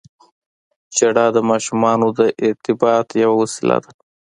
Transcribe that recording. • ژړا د ماشومانو د ارتباط یوه وسیله ده.